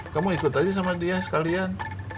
kamu ikut aja sama dia sekalian